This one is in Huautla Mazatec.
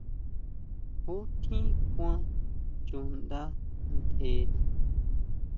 ¿Ju tjín kuan chuʼnda ntjeri?